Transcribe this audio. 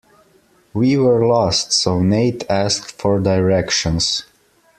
We were lost, so Nate asked for directions.